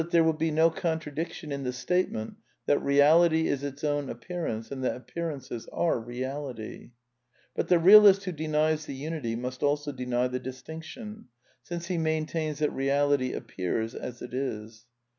^ there will be no contradiction in the statement that Beality is its own appearance, and that appearances are reality. But the realist who denies the unity must also deny the distinction, since he maintains that Beality appears as it is.